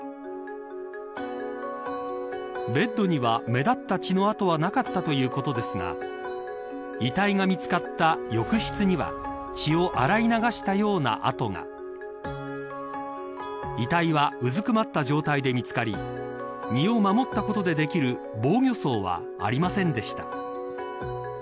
ベッドには目立った血の痕はなかったということですが遺体が見つかった浴室には血を洗い流したような痕が遺体はうずくまった状態で見つかり身を守ったことでできる防御創はありませんでした。